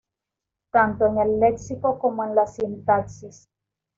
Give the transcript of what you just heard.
tanto en el léxico como en la sintaxis